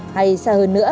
hay xa hơn nữa